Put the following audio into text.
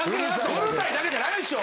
うるさいだけじゃないでしょ。